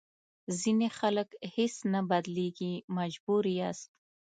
ځینې خلک هېڅ نه بدلېږي مجبور یاست.